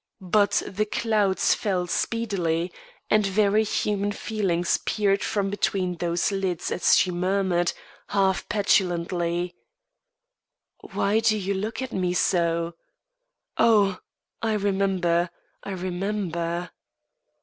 But the clouds fell speedily and very human feelings peered from between those lids as she murmured, half petulantly: "Why do you look at me so? Oh, I remember, I remember!"